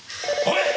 おい！